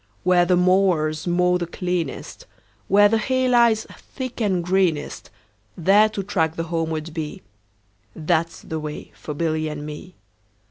Where the mowers mow the cleanest, Where the hay lies thick and greenest, 10 There to track the homeward bee, That 's the way for Billy and me.